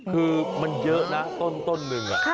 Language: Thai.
คือมันเยอะนะต้นหนึ่ง